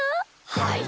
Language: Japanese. はい。